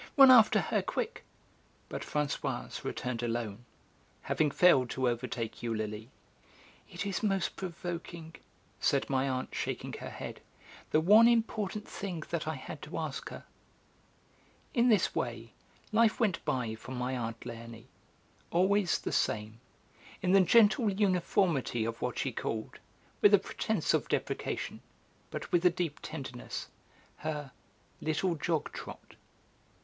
Run after her, quick!" But Françoise returned alone, having failed to overtake Eulalie. "It is most provoking," said my aunt, shaking her head. "The one important thing that I had to ask her." In this way life went by for my aunt Léonie, always the same, in the gentle uniformity of what she called, with a pretence of deprecation but with a deep tenderness, her 'little jog trot.'